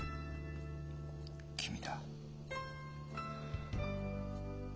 君だ。